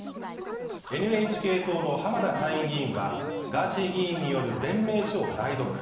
ＮＨＫ党の浜田参院議員はガーシー議員による弁明書を代読。